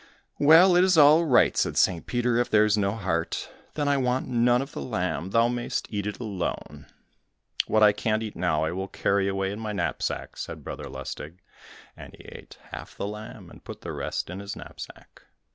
"Well, it is all right," said St. Peter, "if there is no heart, then I want none of the lamb; thou mayst eat it alone." "What I can't eat now, I will carry away in my knapsack," said Brother Lustig, and he ate half the lamb, and put the rest in his knapsack.